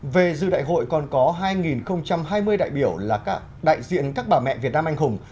về dự đại hội còn có hai hai mươi đại biểu là đại diện các bà mẹ việt nam anh hùng